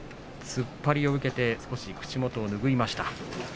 突っ張りを受けて少し口元を拭いました。